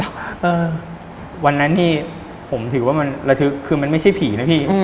แล้ววันนั้นผมถือว่ามันคือมันไม่ใช่ผีนะพี่